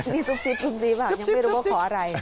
มีซุปซิปยังไม่รู้ว่าขออะไร